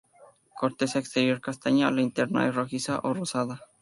Corteza exterior castaña, la interna es rojiza o rosada.